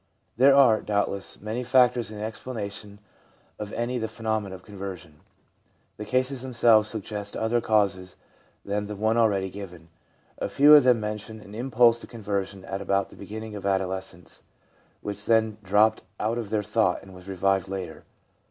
There are, doubtless, many factors in the explana tion of any of the phenomena of conversion. The cases themselves suggest other causes than the one already given. A few of them mention an impulse to conver sion at about the beginning of adolescence, which then dropped out of their thought and was revived later.